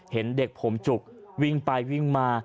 เห็นเด็กผมจุกวิ่งไปวิ่งมา